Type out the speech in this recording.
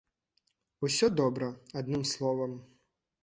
Усё добра, адным словам!